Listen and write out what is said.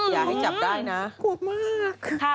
อย่าให้จับได้นะ